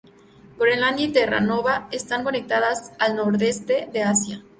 Groenlandia y Terranova están conectadas al nordeste de Asia.